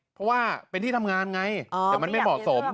เพราะว่าเป็นที่ทำงานไงแต่มันไม่เหมาะสม